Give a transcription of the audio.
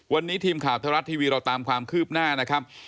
วันนี้ทีมข่าวไทยรัฐทีวีเราตามความคืบหน้านะครับ